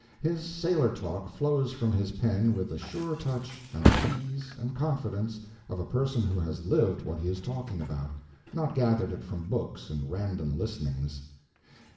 His sailor talk flows from his pen with the sure touch and the ease and confidence of a person who has lived what he is talking about, not gathered it from books and random listenings.